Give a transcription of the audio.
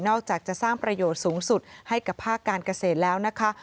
อกจากจะสร้างประโยชน์สูงสุดให้กับภาคการเกษตรแล้วนะคะ